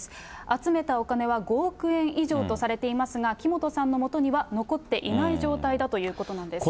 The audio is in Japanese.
集めたお金は５億円以上とされていますが、木本さんのもとには残っていない状態だということなんです。